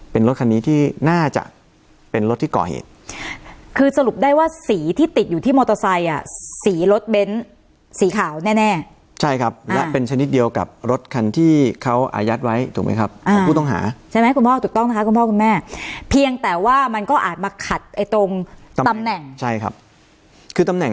เป็นรถคันนี้ที่น่าจะเป็นรถที่ก่อเหตุคือสรุปได้ว่าสีที่ติดอยู่ที่มอเตอร์ไซค์อ่ะสีรถเบ้นสีขาวแน่แน่ใช่ครับและเป็นชนิดเดียวกับรถคันที่เขาอายัดไว้ถูกไหมครับอ่าของผู้ต้องหาใช่ไหมคุณพ่อถูกต้องนะคะคุณพ่อคุณแม่เพียงแต่ว่ามันก็อาจมาขัดไอ้ตรงตำแหน่งใช่ครับคือตำแหน